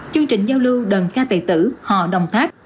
chương trình giao lưu đần ca tệ tử hò đồng tháp